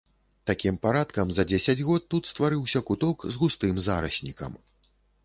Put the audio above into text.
Такім парадкам за дзесяць год тут стварыўся куток з густым зараснікам.